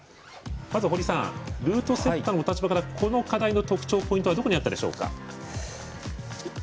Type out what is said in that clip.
まず堀さんルートセッターのお立場からこの課題の特徴、ポイントはどこにあったでしょうか？